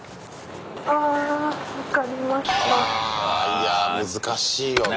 いやあ難しいよな。